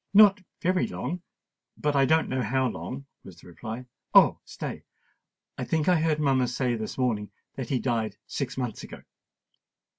"Not very long—but I don't know how long," was the reply. "Oh! stay—I think I heard mamma say this morning that he died six months ago."